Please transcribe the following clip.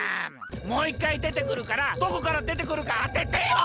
もういっかいでてくるからどこからでてくるかあててよ。